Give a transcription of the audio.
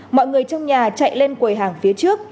mọi người trong nhà chạy lên quầy hàng phía trước